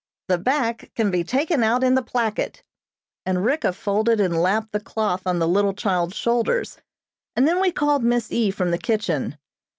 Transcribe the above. "The back can be taken out in the placket," and Ricka folded and lapped the cloth on the little child's shoulders, and then we called Miss E. from the kitchen.